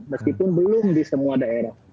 meskipun belum di semua daerah